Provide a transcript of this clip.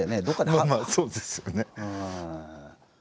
まあそうですよね。